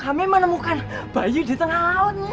kami menemukan bayi di tengah laut